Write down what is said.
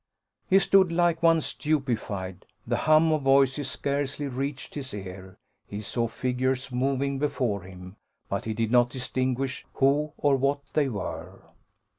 He stood like one stupified: the hum of voices scarcely reached his ear he saw figures moving before him; but he did not distinguish who or what they were.